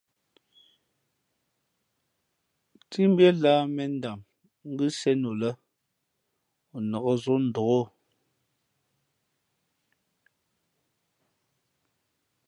Ntímbʉ́ά lah mēn ndam ngʉ́ sēn o lά, o nāk zǒ ndôk o.